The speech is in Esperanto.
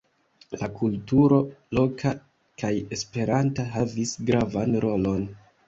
La kulturo, loka kaj esperanta, havis gravan rolon.